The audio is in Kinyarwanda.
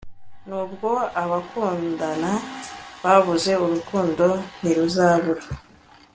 nubwo abakundana babuze urukundo ntiruzabura